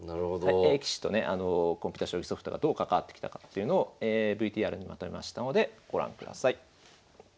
棋士とねコンピュータ将棋ソフトがどう関わってきたかというのをＶＴＲにまとめましたのでご覧ください。